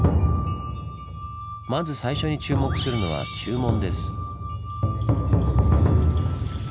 まず最初に注目するのは中門です。